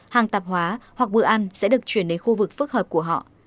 hàng tạp hóa hoặc bữa ăn sẽ được chuyển đến khu vực phức hợp của họ